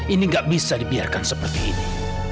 ini gak bisa dibiarkan seperti ini